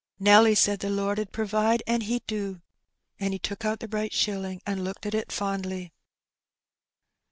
Nelly said the Lord 'ud provide, and He do.". And he took out the bright shilling and looked at it fondly.